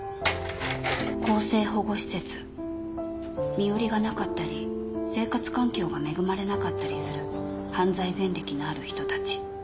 身寄りがなかったり生活環境が恵まれなかったりする犯罪前歴のある人たち。